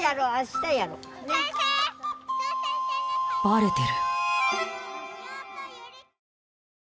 バレてる。